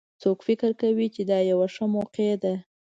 څوک فکر کوي چې دا یوه ښه موقع ده